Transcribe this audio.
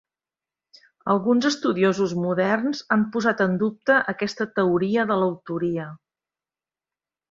Alguns estudiosos moderns han posat en dubte aquesta teoria de l'autoria.